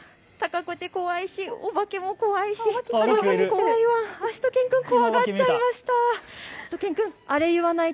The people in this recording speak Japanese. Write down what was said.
高くて怖いしお化けも怖いししゅと犬くん怖がってしまいました。